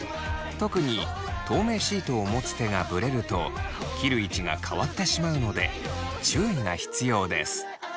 特に透明シートを持つ手がぶれると切る位置が変わってしまうので注意が必要です。